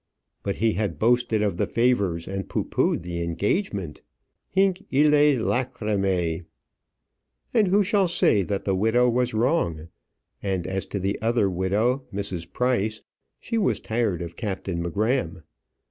But he had boasted of the favours and pooh poohed the engagement! "Hinc illæ lacrymæ." And who shall say that the widow was wrong? And as to the other widow, Mrs. Price, she was tired of Captain M'Gramm.